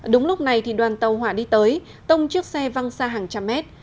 đúng lúc này thì đoàn tàu hỏa đi tới tông chiếc xe văng xa hàng trăm mét